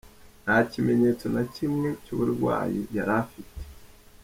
Nta kimenyetso na kimwe cy’uburwayi yari afite.